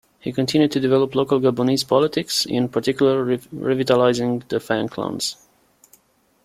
He continued to develop local Gabonese politics, in particular revitalizing the Fang clans.